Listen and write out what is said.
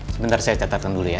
sebentar saya catatkan dulu ya